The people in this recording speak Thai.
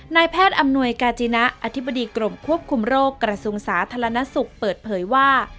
นายแพทย์อำนวยกาจินะอธิบดีกรมควบคุมโรคกระทรวงสาธารณสุขเปิดเผยว่า